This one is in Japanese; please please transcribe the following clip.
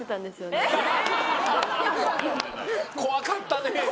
怖かったね。